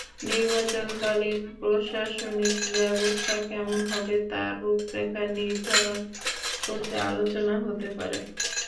নির্বাচনকালীন প্রশাসনিক ব্যবস্থা কেমন হবে, তার রূপরেখা নির্ধারণ করতে আলোচনা হতে পারে।